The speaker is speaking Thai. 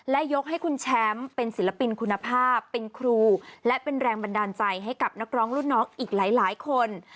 และยกให้คุณแชมป์เป็นศิลปินคุณภาพเป็นครูและเป็นแรงบันดาลใจให้กับนักร้องรุ่นน้องอีกหลายคน